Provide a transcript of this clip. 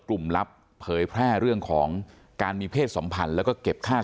ลับเผยแพร่เรื่องของการมีเพศสัมพันธ์แล้วก็เก็บค่า